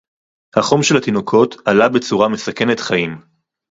החום של התינוקת עלה בצורה מסכנת חיים